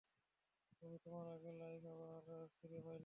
তুমি তোমার আগের লাইফ আবার ফিরে পাইলা।